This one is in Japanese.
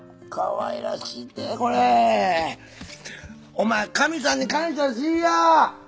お前神さんに感謝しいや。